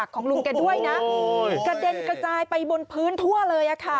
กระจายไปบนพื้นทั่วเลยค่ะ